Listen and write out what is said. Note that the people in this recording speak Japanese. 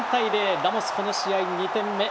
ラモス、この試合２点目。